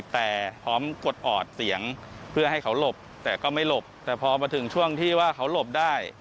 แต่พอมาถึงช่วงที่ว่าเขาหลบได้